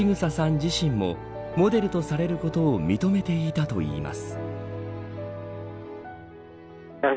自身もモデルとされることを認めていたといいます。